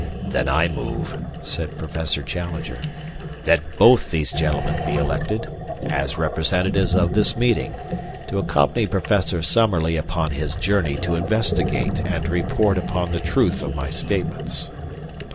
"Then I move," said Professor Challenger, "that both these gentlemen be elected, as representatives of this meeting, to accompany Professor Summerlee upon his journey to investigate and to report upon the truth of my statements."